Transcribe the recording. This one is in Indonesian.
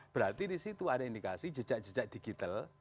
berarti di situ ada indikasi jejak jejak digital